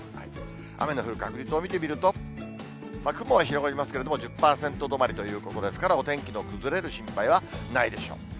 雨の降る確率を見てみると、雲は広がりますけれども、１０％止まりということですから、お天気の崩れる心配はないでしょう。